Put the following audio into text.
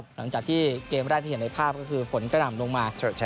หลังจากที่เกมแรกที่เห็นในภาพก็คือฝนกระหน่ำลงมา